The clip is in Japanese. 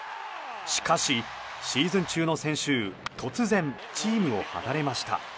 しかし、シーズン中の先週突然チームを離れました。